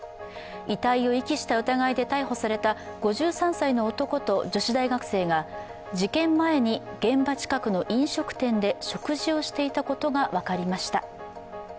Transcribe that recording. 遺体を遺棄した疑いで逮捕された５３歳の男と女子大学生が事件前に現場近くの飲食店で食事をしていたことが分かりました。